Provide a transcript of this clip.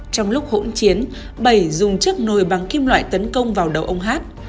trong lúc hỗn chiến bẩy dùng chất nồi bắn kim loại tấn công vào đầu ông hát